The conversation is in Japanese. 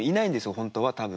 本当は多分。